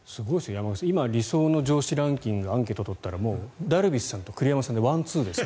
今理想の上司ランキングでアンケートを取ったらダルビッシュさんと栗山さんでワンツーですよ。